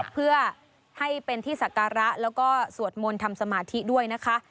เพื่อให้เป็นที่ศักระแล้วก็สวดมนต์ทำสมาธิด้วยนะคะ